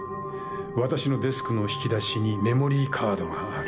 私のデスクの引き出しにメモリーカードがある。